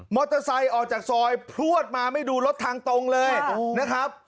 ออกจากซอยพลวดมาไม่ดูรถทางตรงเลยนะครับ